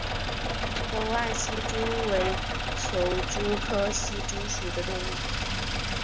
沟岸希蛛为球蛛科希蛛属的动物。